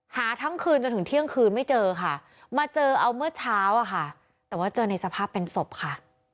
หาทั้งคืนจนถึงเที่ยงคืนไม่เจอค่ะมาเจอเอาเมื่อเช้าอะค่ะแต่ว่าเจอในสภาพเป็นศพค่ะ